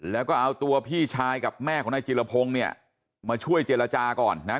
แล้วก็เอาตัวพี่ชายกับแม่ของนายจิรพงศ์เนี่ยมาช่วยเจรจาก่อนนะฮะ